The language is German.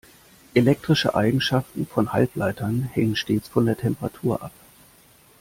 Elektrische Eigenschaften von Halbleitern hängen stets von der Temperatur ab.